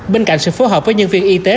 bên cạnh sự phối hợp với nhân viên y tế